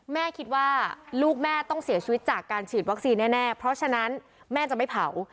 แม่คิดว่าลูกแม่ต้องเสียชีวิตจากการฉีดวัคซีนแน่เพราะฉะนั้นแม่จะไม่เผา